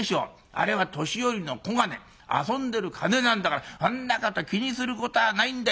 あれは年寄りの小金遊んでる金なんだからそんなこと気にすることはないんだよ。